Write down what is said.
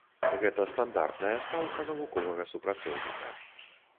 Гэта стандартная стаўка навуковага супрацоўніка.